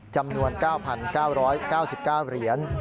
จำนวน๙๙๙๙เหรียญ